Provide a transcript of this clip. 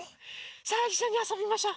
さあいっしょにあそびましょ！